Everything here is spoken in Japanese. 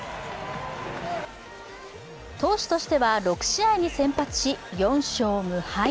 投手としては、６試合に先発し、４勝無敗。